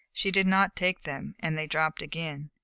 She did not take them, and they dropped again.